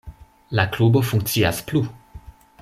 La klubo funkcias plu.